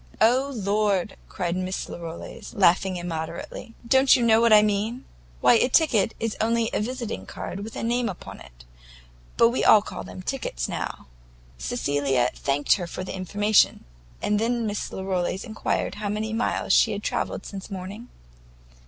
"Oh, lord!" cried Miss Larolles, laughing immoderately, "don't you know what I mean? Why, a ticket is only a visiting card, with a name upon it; but we all call them tickets now." Cecilia thanked her for the information, and then Miss Larolles enquired how many miles she had travelled since morning?